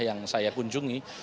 yang saya kunjungi